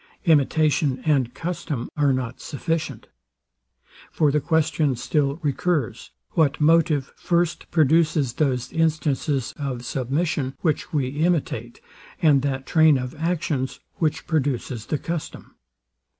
Imitation and custom are not sufficient. For the question still recurs, what motive first produces those instances of submission, which we imitate, and that train of actions, which produces the custom?